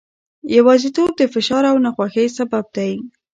یوازیتوب د فشار او ناخوښۍ سبب دی.